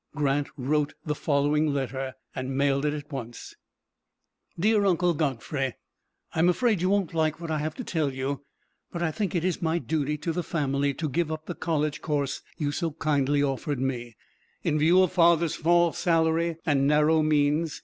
Grant wrote the following letter, and mailed it at once: "DEAR UNCLE GODFREY: I am afraid you won't like what I have to tell you, but I think it is my duty to the family to give up the college course you so kindly offered me, in view of father's small salary and narrow means.